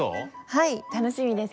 はい楽しみです！